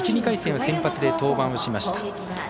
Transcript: １、２回戦は先発で登板をしました。